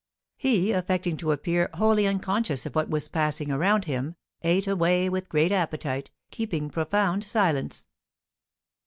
He, affecting to appear wholly unconscious of what was passing around him, ate away with great appetite, keeping profound silence.